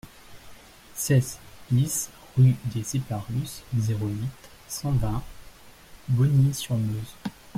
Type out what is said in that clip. seize BIS rue des Eparus, zéro huit, cent vingt, Bogny-sur-Meuse